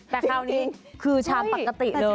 แต่คราวนี้คือชามปกติเลย